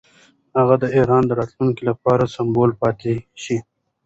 هغه د ایران د راتلونکي لپاره سمبول پاتې شوی.